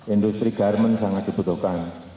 industri garmen sangat dibutuhkan